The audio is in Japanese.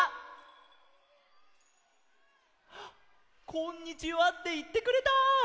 「こんにちは」っていってくれた！